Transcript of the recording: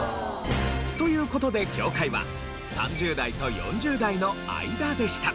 という事で境界は３０代と４０代の間でした。